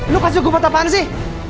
lu kasih gua buat apaan sih